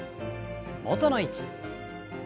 元の位置。